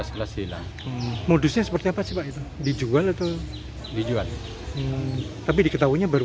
seribu dua ratus dua belas kelas hilang modusnya seperti apa sih pak itu dijual atau dijual tapi diketahunya baru